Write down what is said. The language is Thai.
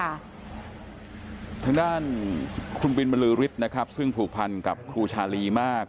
ทางด้านคุณบินบรือฤทธิ์นะครับซึ่งผูกพันกับครูชาลีมาก